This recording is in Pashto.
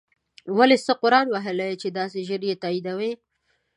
ولی څه قرآن وهلی یی چی داسی ژر یی تاییدوی